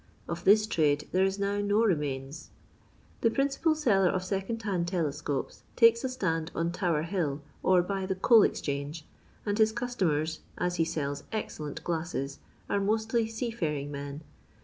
Of this trade there is now no remains. The principal, seller of second hand telescopes takes a stand on Tower Hill or by the Coal Exchange, and his customers, as he sells excellent glasses," are mostly sea faring men.